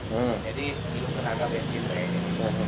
jadi ini akan bencin naik